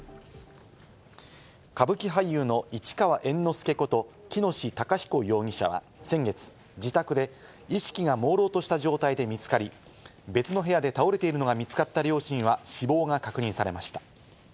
歌舞伎俳優の市川猿之助こと喜熨斗孝彦容疑者は先月、自宅で意識がもうろうとした状態で見つかり、別の部屋で倒れているのが見つかった両親は死亡が確認されました。